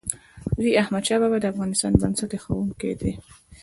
لوی احمدشاه بابا د افغانستان بنسټ ایښودونکی و.